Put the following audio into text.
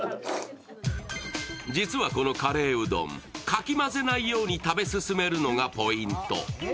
実はこのカレーうどん、かき混ぜないように食べ進めるのがポイント。